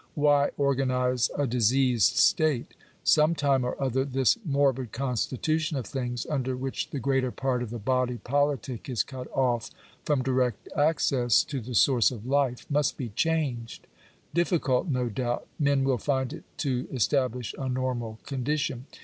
Why organize a diseased state? Some time or other this morbid constitution of things, under which the greater part of the body politic is cut off from direct access to the source of life, must be changed. Difficult, no doubt, men will find it to establish a normal condition.